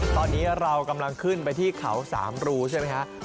ตอนนี้เรากำลังขึ้นไปที่เขาสามรูใช่ไหมครับ